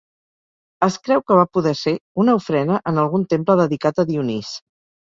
Es creu que va poder ser una ofrena en algun temple dedicat a Dionís.